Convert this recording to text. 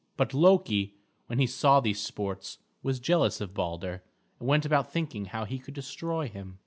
But Loki, when he saw these sports, was jealous of Balder, and went about thinking how he could destroy him.